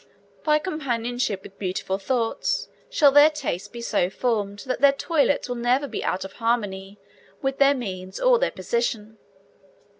By companionship with beautiful thoughts shall their tastes be so formed that their toilets will never be out of harmony with their means or their position.